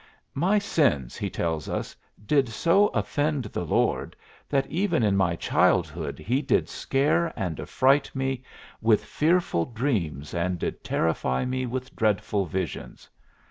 "My sins," he tells us, "did so offend the Lord that even in my childhood He did scare and affright me with fearful dreams and did terrify me with dreadful visions.